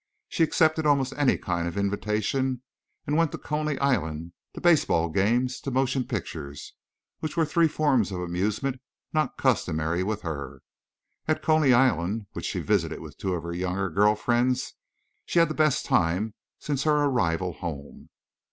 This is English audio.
She accepted almost any kind of an invitation, and went even to Coney Island, to baseball games, to the motion pictures, which were three forms of amusement not customary with her. At Coney Island, which she visited with two of her younger girl friends, she had the best time since her arrival home.